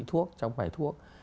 thuốc chẳng phải thuốc